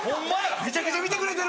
めちゃくちゃ見てくれてる。